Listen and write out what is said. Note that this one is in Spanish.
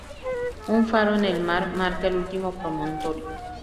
Un faro en el mar marca el último promontorio.